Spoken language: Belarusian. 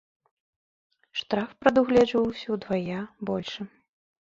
Штраф прадугледжваўся ўдвая большы.